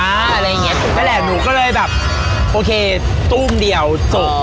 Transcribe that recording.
อะไรอย่างเงี้ยถูกนั่นแหละหนูก็เลยแบบโอเคตู้มเดียวจบ